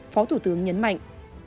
phó thủ tướng nhấn mạnh